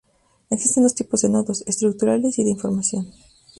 Existen dos tipos de nodos: estructurales y de información.